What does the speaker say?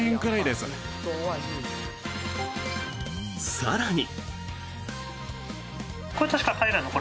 更に。